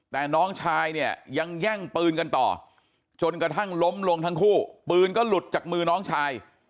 แต่น้องชายเนี่ยยังแย่งปืนกันต่อจนกระทั่งล้มลงทั้งคู่ปืนก็หลุดจากมือน้องชาย